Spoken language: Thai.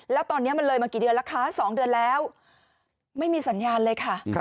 แล้วตอนนี้มันเลยมากี่เดือนแล้วคะ๒เดือนแล้วไม่มีสัญญาณเลยค่ะ